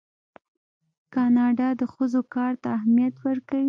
کاناډا د ښځو کار ته ارزښت ورکوي.